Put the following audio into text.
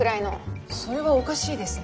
それはおかしいですね。